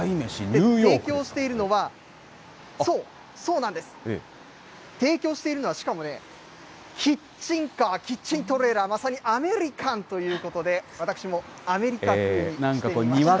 提供しているのは、そう、そうなんです、提供しているのは、しかもね、キッチンカー、キッチントレーラー、まさにアメリカンということで、私もアメリカ風にしてみました。